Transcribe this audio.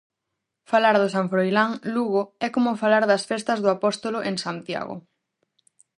Falar do San Froilán Lugo é como falar das festas do Apóstolo en Santiago.